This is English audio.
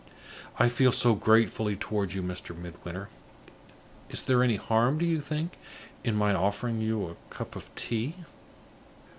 I feel so gratefully toward you, Mr. Midwinter! Is there any harm, do you think, in my offering you a cup of tea?"